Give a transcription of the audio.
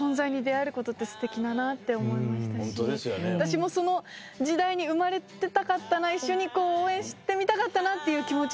私もその時代に生まれていたかったな一緒に応援してみたかったなっていう気持ちになる。